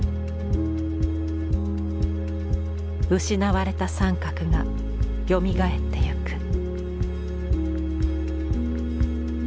失われた三角がよみがえっていく。